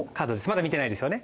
まだ見てないですよね？